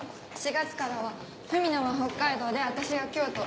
４月からは史奈は北海道で私は京都。